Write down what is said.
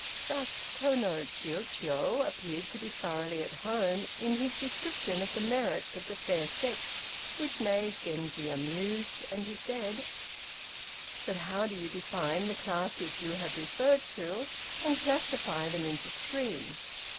Thus Tô no Chiûjiô appeared to be thoroughly at home in his description of the merits of the fair sex, which made Genji amused, and he said: "But how do you define the classes you have referred to, and classify them into three?